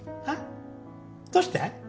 えっどうして？